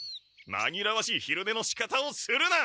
まぎらわしいひるねのしかたをするな！